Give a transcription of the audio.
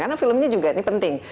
karena filmnya juga ini penting